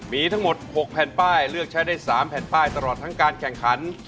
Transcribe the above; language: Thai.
มีทั้งหมด๖แผ่นป้ายเลือกใช้ได้๓แผ่นป้ายตลอดทั้งการแข่งขัน